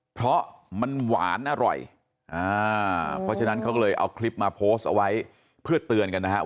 เพราะมันหวานอร่อยอ่าเพราะฉะนั้นเขาก็เลยเอาคลิปมาโพสต์เอาไว้เพื่อเตือนกันนะครับ